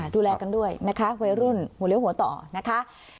ดูแลกันด้วยนะคะวัยรุ่นหัวเลี้ยหัวต่อนะคะ